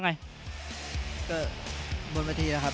นักมวยจอมคำหวังเว่เลยนะครับ